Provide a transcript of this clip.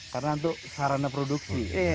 karena itu sarana produksi